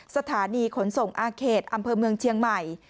สถานีขนส่งอาเขตอำเภอเมืองเชียงใหม่